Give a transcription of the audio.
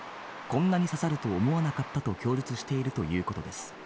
こんなに刺さると思わなかったと供述しているということです。